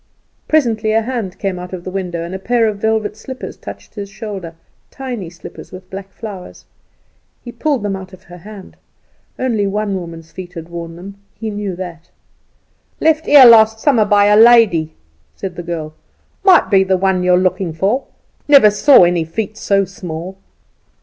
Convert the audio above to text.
Presently a hand came out of the window, and a pair of velvet slippers touched his shoulder, tiny slippers with black flowers. He pulled them out of her hand. Only one woman's feet had worn them, he knew that. "Left here last summer by a lady," said the girl; "might be the one you are looking for. Never saw any feet so small."